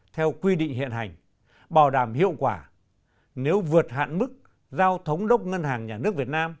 theo quy định hiện hành bảo đảm hiệu quả nếu vượt hạn mức giao thống đốc ngân hàng nhà nước việt nam